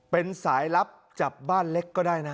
เป็นสายลับจับบ้านเล็กก็ได้นะ